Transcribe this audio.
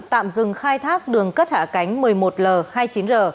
tạm dừng khai thác đường cất hạ cánh một mươi một l hai mươi chín r